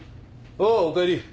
ああおかえり。